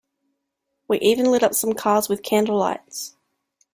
We even lit up some cars with candle lights.